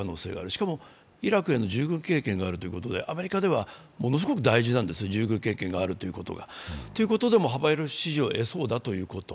しかもイラクへの従軍経験があるということで、アメリカではものすごく大事なんですね、従軍経験があるというｋとは。ということで幅広い支持を得そうだということ。